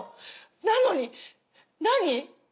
なのに何？